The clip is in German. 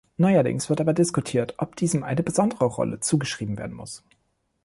Neuerdings wird aber diskutiert, ob diesem eine besondere Rolle zugeschrieben werden muss.